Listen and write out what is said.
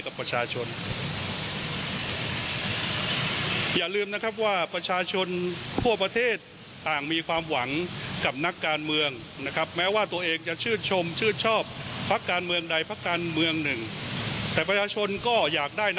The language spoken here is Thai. คุณวราพูดมีประโยคน่าสนใจ